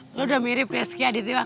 lo udah mirip rizky aditya